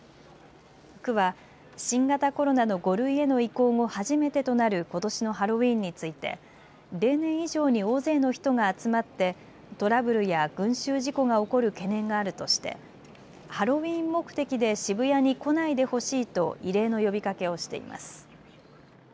区は新型コロナの５類への移行後初めてとなることしのハロウィーンについて例年以上に大勢の人が集まってトラブルや群集事故が起こる懸念があるとしてハロウィーン目的で渋谷に来ないでほしいと異例の呼びかけをしています。